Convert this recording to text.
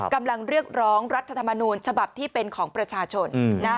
กำลังเรียกร้องรัฐธรรมนูญฉบับที่เป็นของประชาชน